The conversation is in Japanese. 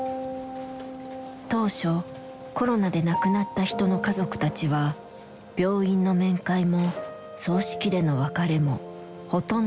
当初コロナで亡くなった人の家族たちは病院の面会も葬式での別れもほとんどできなくなった。